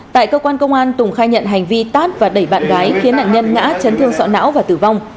tại cơ quan công an tùng khai nhận hành vi tát và đẩy bạn gái khiến nạn nhân ngã chấn thương sọ não và tử vong